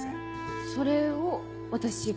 それを私が？